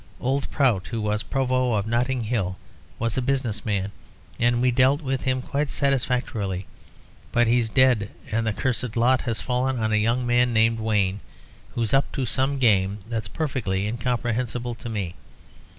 Old Prout, who was Provost of Notting Hill, was a business man, and we dealt with him quite satisfactorily. But he's dead, and the cursed lot has fallen on a young man named Wayne, who's up to some game that's perfectly incomprehensible to me.